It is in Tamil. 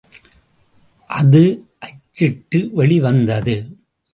அது அச்சிட்டு வெளிவந்தது.